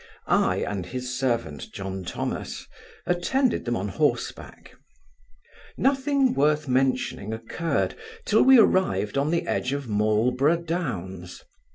I, and his servant, John Thomas, attended them on horseback. Nothing worth mentioning occurred, till we arrived on the edge of Marlborough Downs.